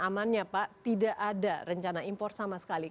amannya pak tidak ada rencana impor sama sekali